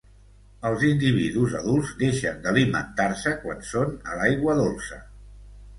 Els individus adults deixen d'alimentar-se quan són a l'aigua dolça.